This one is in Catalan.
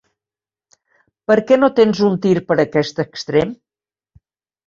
Per què no tens un tir per aquest extrem?